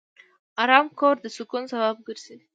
آرام کور د سکون سبب ګرځي.